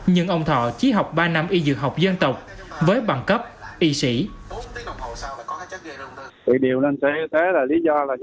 nhưng ông thọ chỉ học ba năm y dược học dân tộc với bằng cấp y sĩ